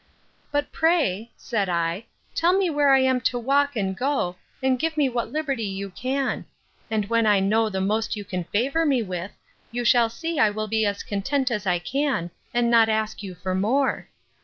—But pray, said I, tell me where I am to walk and go, and give me what liberty you can; and when I know the most you can favour me with, you shall see I will be as content as I can, and not ask you for more.